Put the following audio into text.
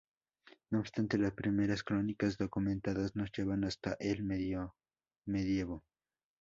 No obstante, las primeras crónicas documentadas nos llevan hasta el medievo.